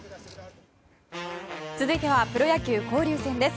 続いてはプロ野球交流戦です。